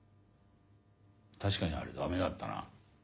確かにあれ駄目だったな。